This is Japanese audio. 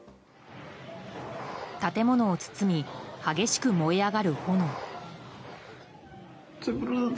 建物を包み激しく燃え上がる炎。